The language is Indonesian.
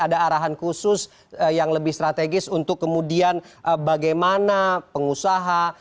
ada arahan khusus yang lebih strategis untuk kemudian bagaimana pengusaha